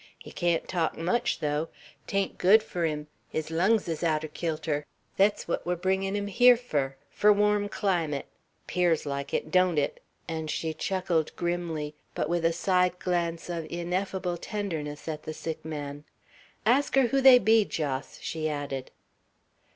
He can't talk much, though; 'tain't good fur him; his lungs is out er kilter. Thet's what we're bringin' him hyar fur, fur warm climate! 'pears like it, don't it?" and she chuckled grimly, but with a side glance of ineffable tenderness at the sick man. "Ask her who they be, Jos," she added.